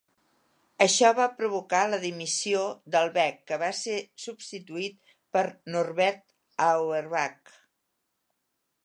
Això va provocar la dimissió d'Albeck que va ser substituït per Norbert Auerbach.